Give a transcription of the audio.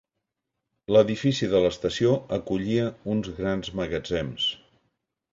L'edifici de l'estació acollia uns grans magatzems.